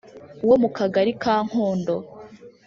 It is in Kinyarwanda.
wo mu Kagari ka Nkondo